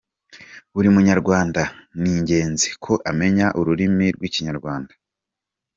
Buri munyarwanda n'ingenzi ko amenya ururimi rw'ikinyarwanda kuko biranga umuco nyarwanda.